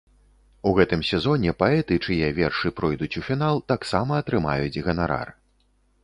У гэтым сезоне паэты, чые вершы пройдуць у фінал, таксама атрымаюць ганарар.